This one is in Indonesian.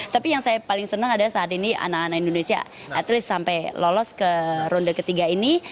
tapi yang saya paling senang adalah saat ini anak anak indonesia at least sampai lolos ke ronde ketiga ini